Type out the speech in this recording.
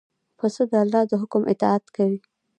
پسه د الله د حکم اطاعت کوي.